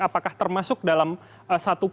apakah termasuk dalam satu poin ya yang kita lakukan